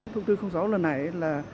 thông tư sáu lần này là